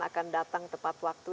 akan datang tepat waktu